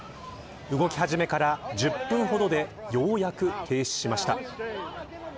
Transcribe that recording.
動き始めから１０分ほどでようやく停止しました。